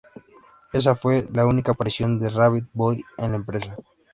Ésa fue la única aparición de Rabbit Boy en la empresa.